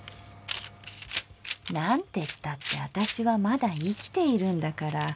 なんてったって私はまだ生きているんだから。